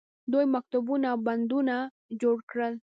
دوی مکتبونه او بندونه جوړ کړل.